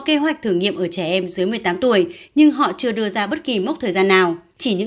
kế hoạch thử nghiệm ở trẻ em dưới một mươi tám tuổi nhưng họ chưa đưa ra bất kỳ mốc thời gian nào chỉ những